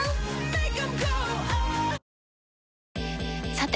さて！